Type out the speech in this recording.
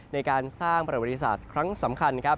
ในการสร้างประวัติศาสตร์ครั้งสำคัญครับ